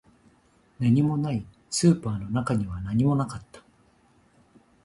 何もない、スーパーの中には何もなかった